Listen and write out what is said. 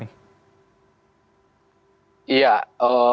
ini last dance nya messi pada saat piala dunia ini seperti apa nih